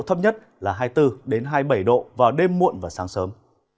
thấp nhất là hai mươi bốn hai mươi bảy độ vào đêm muộn và sáng sớm